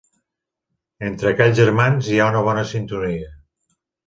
Entre aquells germans hi ha bona sintonia.